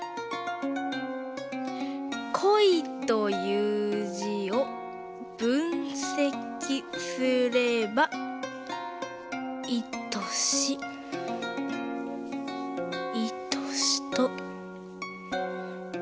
戀という字を分析すればいとしいとしと。